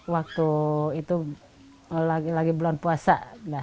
waktu itu lagi bulan puasa